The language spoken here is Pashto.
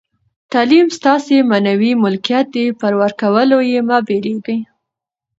تعلیم ستاسي معنوي ملکیت دئ، پر ورکولو ئې مه بېرېږئ!